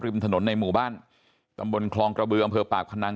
ถนนในหมู่บ้านตำบลคลองกระบืออำเภอปากพนัง